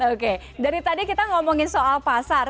oke dari tadi kita ngomongin soal pasar